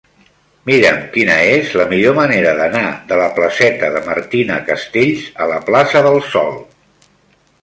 Mira'm quina és la millor manera d'anar de la placeta de Martina Castells a la plaça del Sol.